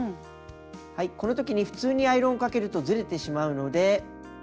このときに普通にアイロンかけるとずれてしまうので。